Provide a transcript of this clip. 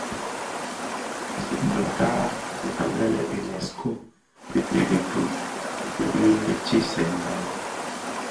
Bi tad anë lè Unesco dii di dhipud di tiisènga bi.